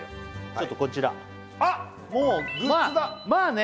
ちょっとこちらあっもうグッズがまあね